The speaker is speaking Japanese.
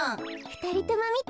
ふたりともみて！